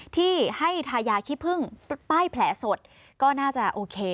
ที่ให้ทายาขี้พึ่งป้ายแผลสดก็น่าจะโอเค